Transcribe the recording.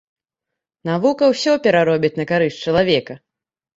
Навука ўсё пераробіць на карысць чалавека!